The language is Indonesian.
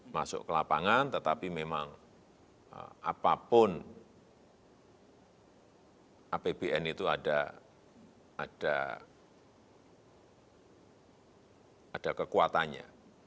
masuk ke lapangan tetapi memang apapun apbn itu ada kekuatannya